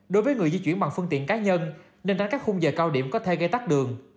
đối với người di chuyển bằng phương tiện cá nhân nên tránh các khung giờ cao điểm có thể gây tắt đường